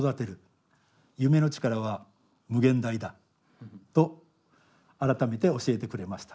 夢の力は無限大だと改めて教えてくれました。